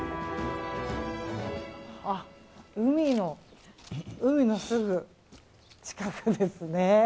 あ、海のすぐ近くですね。